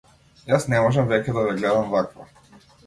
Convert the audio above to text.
Јас не можам веќе да ве гледам ваква.